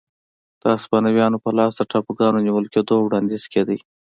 د هسپانویانو په لاس د ټاپوګانو نیول کېدو وړاندوېنې کېدې.